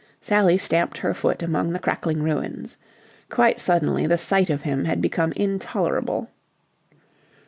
Sally stamped her foot among the crackling ruins. Quite suddenly the sight of him had become intolerable.